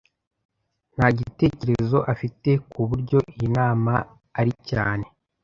Nta gitekerezo afite ku buryo iyi nama ari cyane